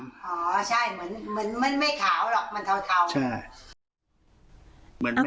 อ๋อใช่เหมือนเหมือนมันไม่ขาวหรอกมันเทาเทาใช่